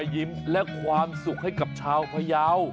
ยิ้มและความสุขให้กับชาวพยาว